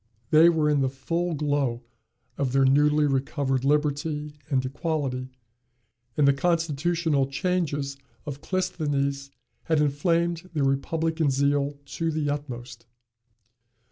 They were in the full glow of their newly recovered liberty and equality; and the constitutional changes of Clisthenes had inflamed their republican zeal to the utmost.